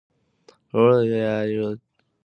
د هغوی ژوند د اخلاص، مینې او قربانۍ یوه لویه خزانه ده.